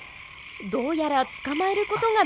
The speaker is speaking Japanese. どうやら捕まえることができたみたい。